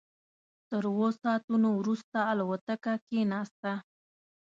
تر اوو ساعتونو وروسته الوتکه کېناسته.